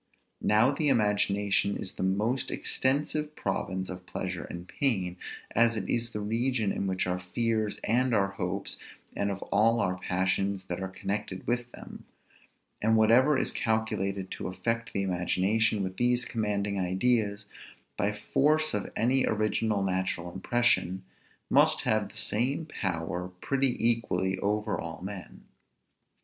Now the imagination is the most extensive province of pleasure and pain, as it is the region of our fears and our hopes, and of all our passions that are connected with them; and whatever is calculated to affect the imagination with these commanding ideas, by force of any original natural impression, must have the same power pretty equally over all men.